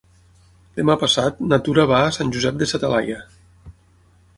Demà passat na Tura va a Sant Josep de sa Talaia.